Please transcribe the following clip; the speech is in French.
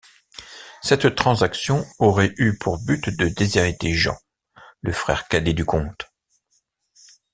Cette transaction aurait eu pour but de déshériter Jean, le frère cadet du comte.